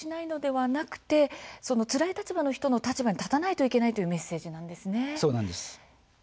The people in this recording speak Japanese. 何もしないのではなくってつらい人の立場に立たなくてはいけないというメッセージなんですよね。